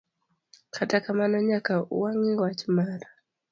Kata kamano nyaka wang'i wach mar